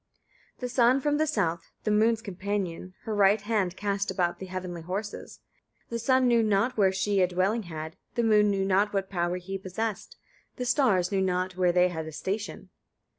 5. The sun from the south, the moon's companion, her right hand cast about the heavenly horses. The sun knew not where she a dwelling had, the moon knew not what power he possessed, the stars knew not where they had a station.